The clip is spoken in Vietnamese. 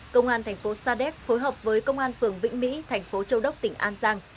công an thành phố sa đéc phối hợp với công an phường vĩnh mỹ thành phố châu đốc tỉnh an giang